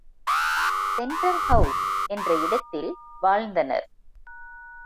Central House என்ற இடத்தில் வாழ்ந்தனர்.